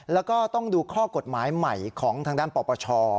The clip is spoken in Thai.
แล้วก็ต้องดูข้อกฎหมายใหม่ของทางด้านปปช